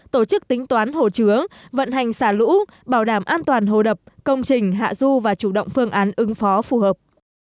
tổ chức tính toán hồ chứa vận hành xả lũ bảo đảm an toàn hồ đập công trình hạ du và chủ động phương án ứng phó phù hợp